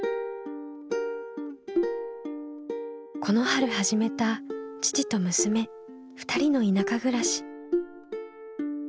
この春始めた父と娘２人の田舎暮らし。